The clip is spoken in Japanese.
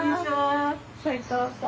斉藤さん？